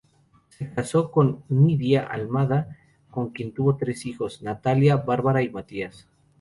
Se casó con Nidia Almada, con quien tuvo tres hijos: Natalia, Bárbara y Matías.